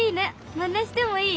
まねしてもいい？